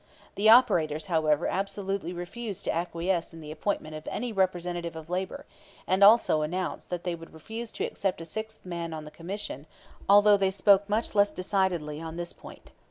The operators, however, absolutely refused to acquiesce in the appointment of any representative of labor, and also announced that they would refuse to accept a sixth man on the Commission; although they spoke much less decidedly on this point.